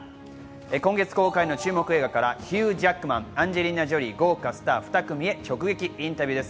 今月公開の注目映画からヒュー・ジャックマン、アンジェリーナ・ジョリー豪華スター２組へ直撃インタビューです。